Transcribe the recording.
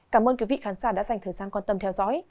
cảm ơn quý vị khán giả đã dành thời gian quan tâm theo dõi